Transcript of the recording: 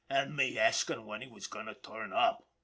An' me askin' when he was goin' to turn up.